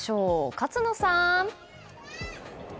勝野さん。